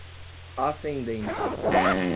ascendente